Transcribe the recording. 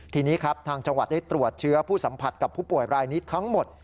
ทีนี้ครับทางจังหวัดได้ตรวจเชื้อผู้สัมผัสกับผู้ป่วยรายนี้ทั้งหมด